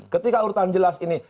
ketika urutan jelas ini